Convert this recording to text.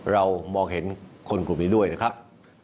เรามองเห็นคนกลุ่มนี้ด้วยนะครับ